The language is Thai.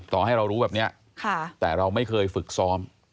ต่อให้เรารู้แบบนี้แต่เราไม่เคยฝึกซ้อม